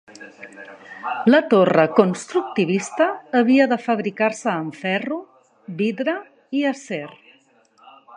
La torre constructivista havia de fabricar-se en ferro, vidre i acer.